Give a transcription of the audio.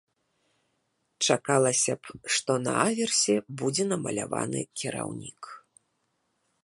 Чакалася б, што на аверсе будзе намаляваны кіраўнік.